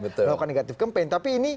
melakukan negatif campaign tapi ini